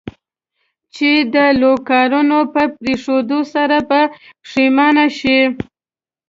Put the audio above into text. چې د لوکارنو په پرېښودو سره به پښېمانه شې.